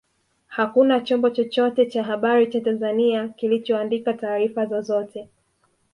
Hakuna chombo chochote cha habari cha Tanzania kilichoandika taarifa zozote